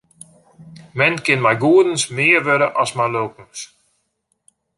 Men kin mei goedens mear wurde as mei lulkens.